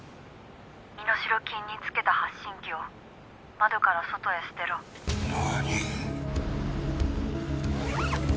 「身代金につけた発信機を窓から外へ捨てろ」何？